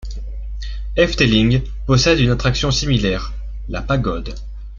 Efteling possède une attraction similaire, la Pagode.